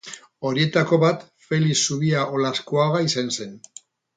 Horietako bat Felix Zubia Olaskoaga izan zen.